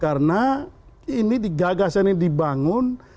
karena ini gagasan yang dibangun